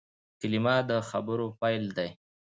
کلیمه د خبرو پیل دئ.